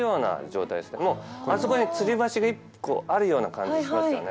もうあそこにつり橋が１個あるような感じしますよね。